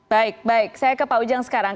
baik baik saya ke pak ujang sekarang